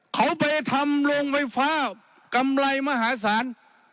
เขาไปทำโรงไฟฟ้ากำไรมหาศาล